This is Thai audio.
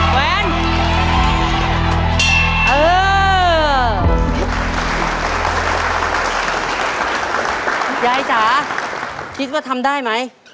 แหวนเออยายจ๋าคิดว่าทำได้ไหม